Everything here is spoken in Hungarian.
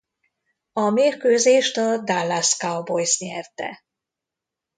A mérkőzést a Dallas Cowboys nyerte.